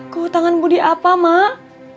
keutangan budi apa mak